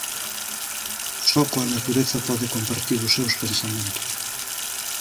Só coa natureza pode compartir os seus pensamentos.